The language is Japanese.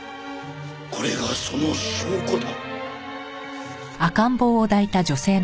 これがその証拠だ。